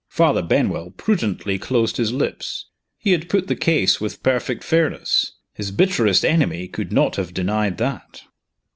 Father Benwell prudently closed his lips. He had put the case with perfect fairness his bitterest enemy could not have denied that.